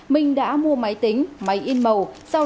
minh đã mua máy tính máy in màu